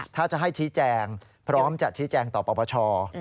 ถ้าจะให้ชี้แจงพร้อมจะชี้แจงต่อปปช